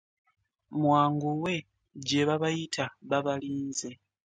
Mwanguwe gye babayita babalinze.